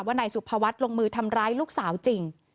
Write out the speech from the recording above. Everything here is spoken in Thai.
นายสุภวัฒน์ลงมือทำร้ายลูกสาวจริง